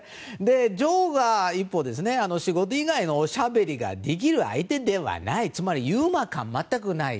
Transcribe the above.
一方、女王が仕事以外のおしゃべりができる相手ではないつまりユーモア感が全くない。